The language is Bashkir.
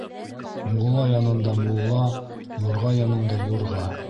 Мулла янында мулла, юрға янында юрға.